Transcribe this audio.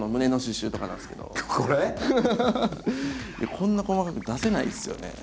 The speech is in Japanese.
こんな細かく出せないんですよね。